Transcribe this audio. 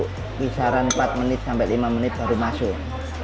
kisaran empat menit sampai lima menit baru masuk